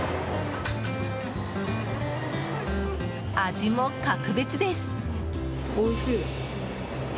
味も格別です。